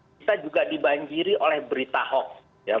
kita juga dibanjiri oleh berita hoax